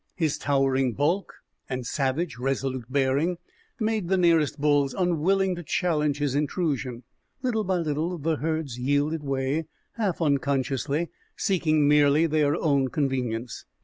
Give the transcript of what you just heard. His towering bulk and savage, resolute bearing made the nearest bulls unwilling to challenge his intrusion. Little by little the herds yielded way, half unconsciously, seeking merely their own convenience.